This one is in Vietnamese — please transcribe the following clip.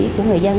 của người dân